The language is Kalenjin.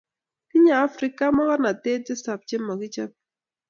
tinyei Afrika mogornotosiek tisab che mokichobei